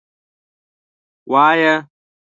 _وايه.